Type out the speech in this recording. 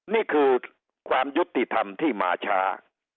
นี่คือความยุติธรรมที่มาช้า